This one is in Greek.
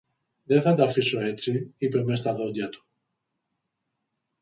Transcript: Δε θα τ' αφήσω έτσι, είπε μες στα δόντια του.